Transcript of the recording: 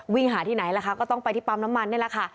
หาที่ไหนล่ะคะก็ต้องไปที่ปั๊มน้ำมันนี่แหละค่ะ